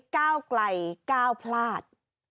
ก้าวไกลก้าวพลาด